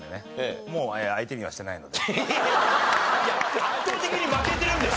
いや圧倒的に負けてるんです